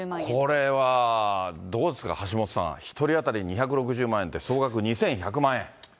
これはどうですか、橋下さん、１人当たり２６０万円って、総額２１００万円。